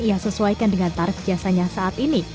ia sesuaikan dengan tarif jasanya saat ini